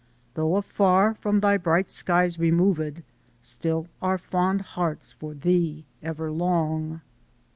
Tho' a far from thy aright skies re mo v ed, Still our fond hearts for thee ev er long